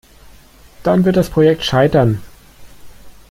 Dann wird das Projekt scheitern.